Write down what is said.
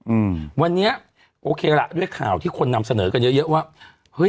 อืมวันนี้โอเคล่ะด้วยข่าวที่คนนำเสนอกันเยอะเยอะว่าเฮ้ย